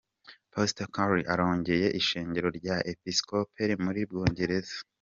Pasitori Curry arongoye ishengero rya episkopale muri mu Bwongereza.